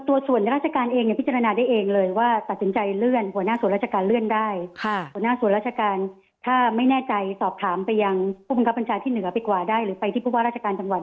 ตัวส่วนราชการเองจะพิจารณาได้เองเลย